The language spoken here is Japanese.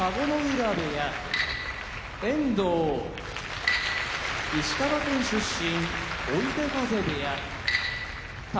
浦部屋遠藤石川県出身追手風部屋宝